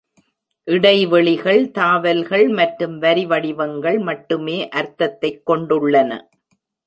இடைவெளிகள், தாவல்கள் மற்றும் வரிவடிவங்கள் மட்டுமே அர்த்தத்தைக் கொண்டுள்ளன.